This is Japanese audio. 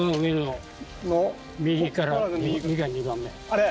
あれ。